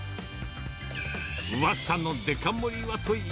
うわさのデカ盛りはとい